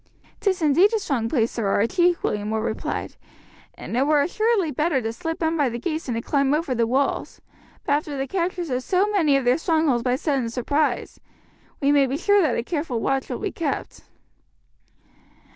"'Tis indeed a strong place, Sir Archie," William Orr replied, "and it were assuredly better to slip in by the gates than to climb over the walls; but after the captures of so many of their strongholds by sudden surprise, we may be sure that a careful watch will be kept."